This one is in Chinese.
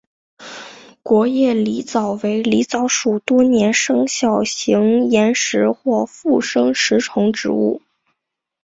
圆叶狸藻为狸藻属多年生小型岩生或附生食虫植物。